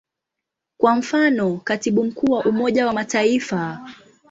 Kwa mfano, Katibu Mkuu wa Umoja wa Mataifa.